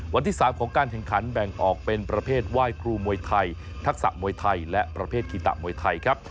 วันที่๓ของการแข่งขันแบ่งออกเป็นประเภทไหว้ครูมวยไทยทักษะมวยไทยและประเภทกีตะมวยไทยครับ